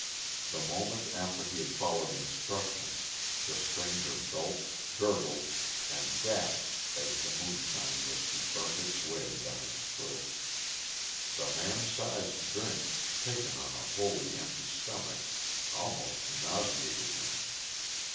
The moment after he had followed instructions the stranger gulped, gurgled, and gasped as the moonshine whisky burnt its way down his throat. The man sized drink, taken on a totally empty stomach, almost nauseated him.